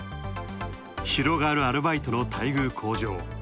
広がるアルバイトの待遇向上。